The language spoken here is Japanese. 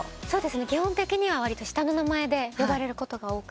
基本的にはわりと下の名前で呼ばれることが多くて。